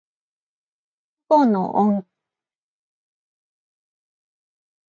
父母の恩。